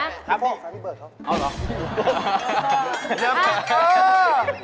อย่างนี้